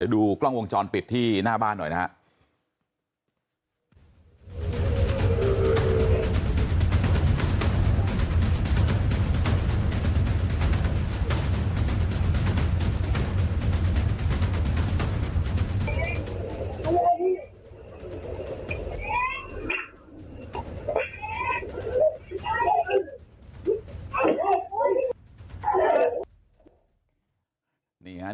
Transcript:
ดูกล้องวงจรปิดที่หน้าบ้านหน่อยนะครับ